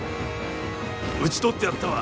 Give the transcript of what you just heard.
討ち取ってやったわ。